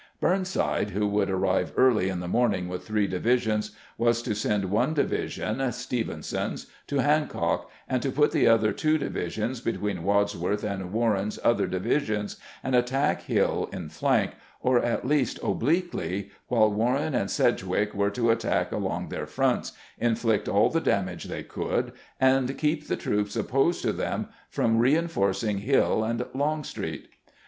Burnside, who would arrive early in the morning with three divisions, was to send one division (Stevenson's) to Hancock, and to put the other two divisions between Wadsworth and Warren's other divi sions, and attack Hill in flank, or at least obliquely, while Warren and Sedgwick were to attack along their fronts, inflict aD. the damage they could, and keep the troops opposed to them from reinforcing Hill and Longstreet.